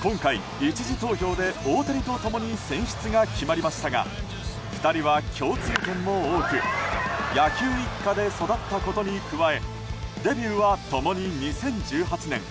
今回、１次投票で大谷と共に選出が決まりましたが２人は共通点も多く野球一家で育ったことに加えデビューは共に２０１８年。